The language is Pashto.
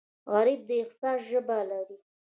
غریب د احساس ژبه لري